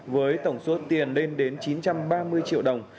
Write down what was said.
với tổng số tiền lên đến chín trăm ba mươi triệu đồng